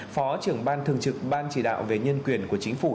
phó trưởng ban thường trực ban chỉ đạo về nhân quyền của chính phủ